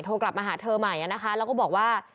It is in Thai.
โทรกลับมาหาเธอใหม่นะคะแล้วก็บอกว่า